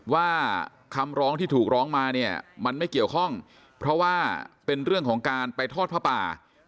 ว่าคำร้องที่ถูกร้องมาเนี่ยมันไม่เกี่ยวข้องเพราะว่าเป็นเรื่องของการไปทอดผ้าป่า